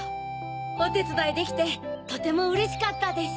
おてつだいできてとてもうれしかったです。